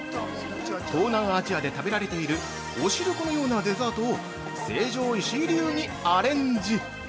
東南アジアで食べられているお汁粉のようなデザートを成城石井流にアレンジ。